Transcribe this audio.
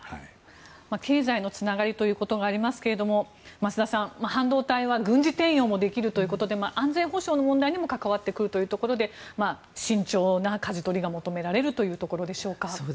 経済のつながりということがありますが増田さん、半導体は軍事転用もできるということで安全保障にも関わるため慎重なかじ取りが求められるところでしょうか。